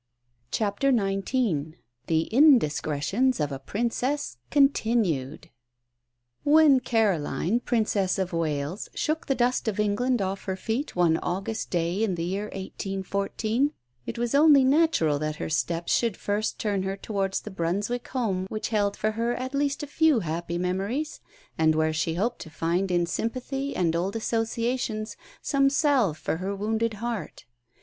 CHAPTER XIX THE INDISCRETIONS OF A PRINCESS continued When Caroline, Princess of Wales, shook the dust of England off her feet one August day in the year 1814, it was only natural that her steps should first turn towards the Brunswick home which held for her at least a few happy memories, and where she hoped to find in sympathy and old associations some salve for her wounded heart.